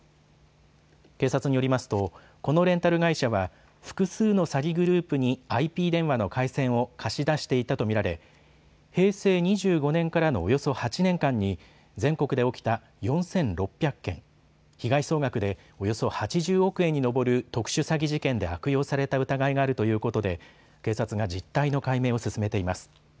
警察によりますとこのレンタル会社は複数の詐欺グループにＩＰ電話の回線を貸し出していたと見られ平成２５年からのおよそ８年間に全国で起きた４６００件、被害総額でおよそ８０億円に上る特殊詐欺事件で悪用された疑いがあるということで警察が実態の解明を進めています。